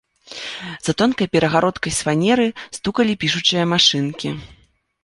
За тонкай перагародкай з фанеры стукаталі пішучыя машынкі.